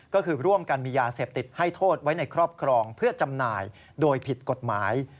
ก็คือร่วมกันมียาเสพติดให้โทษไว้ในครอบครองเพื่อจำหน่ายโดยผิดกฎหมาย